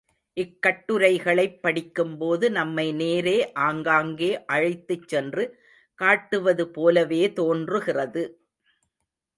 இக்கட்டுரைகளைப் படிக்கும்போது நம்மை நேரே ஆங்காங்கே அழைத்துச் சென்று காட்டுவது போலவே தோன்றுகிறது.